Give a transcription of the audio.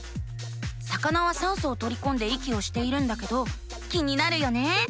魚は酸素をとりこんで息をしているんだけど気になるよね。